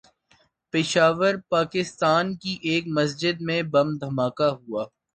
پشاور، پاکستان کی ایک مسجد میں بم دھماکہ ہوا